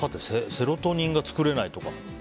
セロトニンが作れないとか。